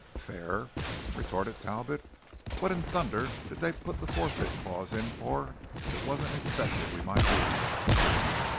"Fair?" retorted Talbot. "What in thunder did they put the forfeit clause in for if it wasn't expected we might use it?"